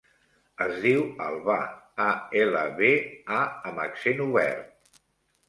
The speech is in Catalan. Es diu Albà: a, ela, be, a amb accent obert.